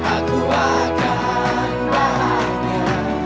aku akan bahagia